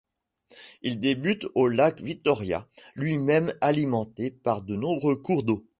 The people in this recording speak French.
Il débute au lac Victoria, lui-même alimenté par de nombreux cours d'eau.